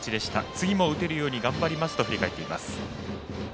次も打てるように頑張りますと振り返っています。